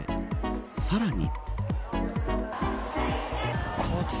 さらに。